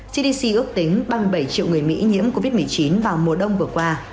cdc ước tính ba mươi bảy triệu người mỹ nhiễm covid một mươi chín vào mùa đông vừa qua